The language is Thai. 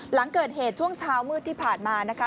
หลังเกิดเหตุช่วงเช้ามืดที่ผ่านมานะคะ